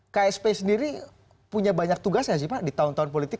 ksp sendiri punya banyak tugasnya sih pak di tahun tahun politik